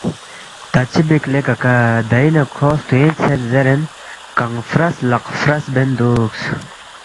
’تا چِہ بیک لے ککا دئی نہ کھو ہلتوینگ ژھید زیرین کنگ فرَس لق فرس بین دُوکس